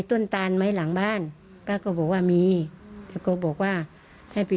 จุดตอนเช้าแล้วก็สายบ้างค่ะ